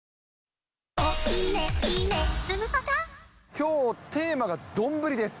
きょう、テーマが丼です。